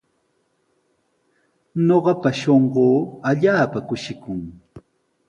Ñuqapa shunquu allaapa kushikun.